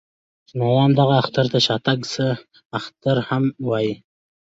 چينایان دغه اختر ته شانګ سه اختر هم وايي.